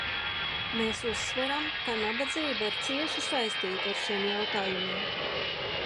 Mēs uzsveram, ka nabadzība ir cieši saistīta ar šiem jautājumiem.